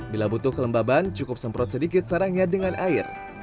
bila butuh kelembaban cukup semprot sedikit sarangnya dengan air